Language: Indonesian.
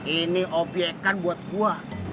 ini obyekan buat gue